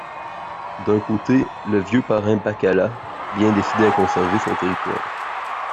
D'un côté, le vieux parrain Baccala, bien décidé à conserver son territoire.